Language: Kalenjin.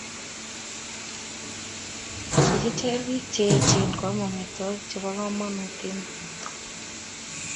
kikicher biik che echen koam amitwogik chebo kamanut eng' borto